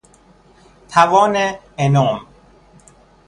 توان n ام